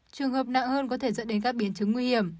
trường hợp nặng hơn có thể dẫn đến các biến chứng nguy hiểm